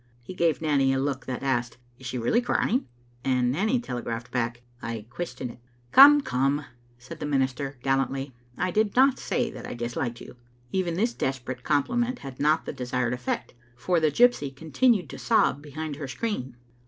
He gave Nanny a look that asked, " Is she really crying?" and Nanny telegraphed back, •^I question it." Digitized by VjOOQ IC to tbe tnHomftti^a piping. ISI *Come, come," said the minister, gallantly, *I did Hot say that I disliked you." Even this desperate compliment had not the desired effect, for the gypsy continued to sob behind her screen.